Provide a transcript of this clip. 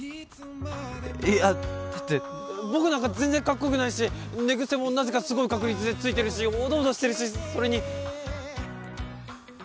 いやだって僕なんか全然かっこよくないし寝癖もなぜかすごい確率でついてるしおどおどしてるしそれに。